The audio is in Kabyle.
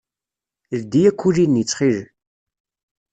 Ldi akuli-nni, ttxil.